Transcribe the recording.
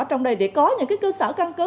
trong đây để có những cái cơ sở căn cứ